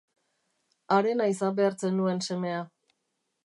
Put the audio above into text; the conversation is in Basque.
Harena izan behar zenuen semea.